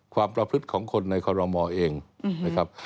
ความประพฤติของคนในคอรมอเองนะครับ